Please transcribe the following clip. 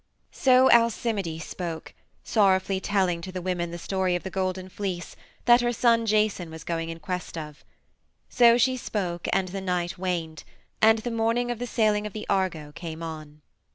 So Alcimide spoke, sorrowfully telling to the women the story of the Golden Fleece that her son Jason was going in quest of. So she spoke, and the night waned, and the morning of the sailing of the Argo came on.